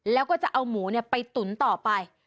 แล้วก็จะเอาหมูไปตุ๋นต่อไป